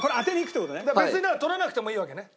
別に取らなくてもいいわけね。